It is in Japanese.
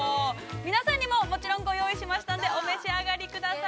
皆さんにももちろんご用意しましたんで、お召し上がりください。